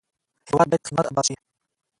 هېواد باید په خدمت اباد شي.